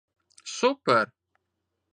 Super!